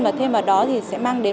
và thêm vào đó thì sẽ mang đến